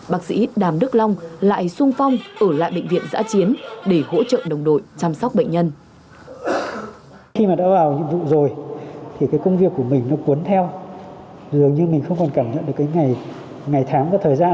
bác sĩ đàm đức long lại sung phong ở lại bệnh viện giã chiến để hỗ trợ đồng đội chăm sóc bệnh nhân